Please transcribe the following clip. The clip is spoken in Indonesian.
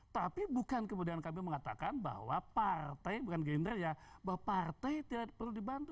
tapi bukan kemudian kami mengatakan bahwa partai bukan gerindra ya bahwa partai tidak perlu dibantu